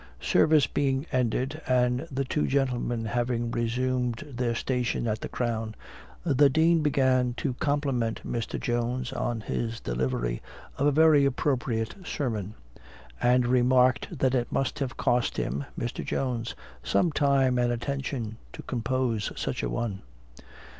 Service being ended, and the two gentlemen having resumed their station at the Crown, the Dean began to compliment Mr. Jones on his delivery of a very appropriate sermon; and remarked, that it must have cost him (Mr. Jones) some time and attention to compose such a one.